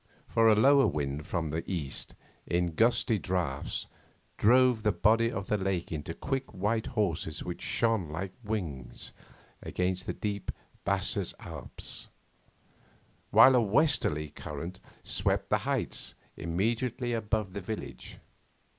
For a lower wind from the east in gusty draughts drove the body of the lake into quick white horses which shone like wings against the deep basses Alpes, while a westerly current swept the heights immediately above the village.